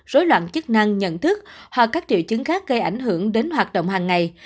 rối loạn chức năng nhận thức hoặc các triệu chứng khác gây ảnh hưởng đến hoạt động hàng ngày